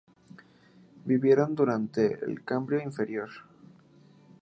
Vivieron durante el Cámbrico Inferior.